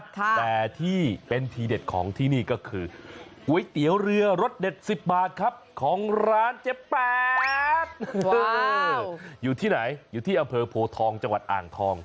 แต่ต้องเตรียมอุปกรณ์ให้พร้อมก่อน